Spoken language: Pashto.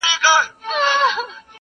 لېري لېري له دې نورو څه او سېږي,